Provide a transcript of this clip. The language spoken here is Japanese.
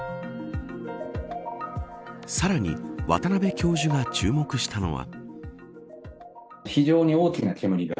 さらに渡邉教授が注目したのは。